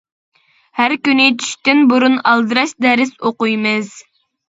ھەر كۈنى چۈشتىن بۇرۇن ئالدىراش دەرس ئوقۇيمىز.